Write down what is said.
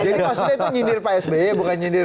jadi maksudnya itu nyindir pak sby bukan nyindir